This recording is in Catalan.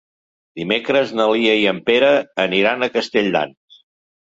Dimecres na Lia i en Pere aniran a Castelldans.